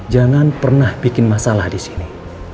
jangan pernah bikin masalah disini